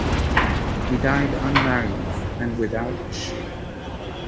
He died unmarried and without issue.